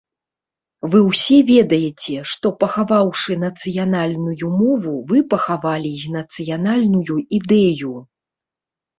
Вы ўсе ведаеце, што пахаваўшы нацыянальную мову, вы пахавалі і нацыянальную ідэю!